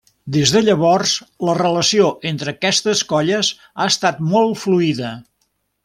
Des de llavors, la relació entre aquestes colles ha estat molt fluida.